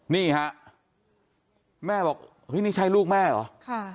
นี่ฮะแม่บอกเฮ้ยนี่ใช่ลูกแม่เหรอ